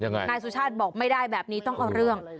นายสุชาติบอกไม่ได้แบบนี้ต้องเอาเรื่อง